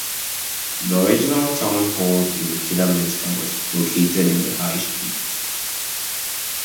The original town hall in Kidderminster was located in the High Street.